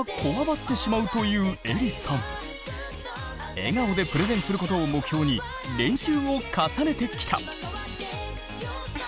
笑顔でプレゼンすることを目標に練習を重ねてきた。